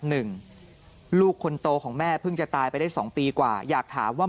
ลูกคนโตของแม่เพิ่งจะตายไปได้สองปีกว่าอยากถามว่า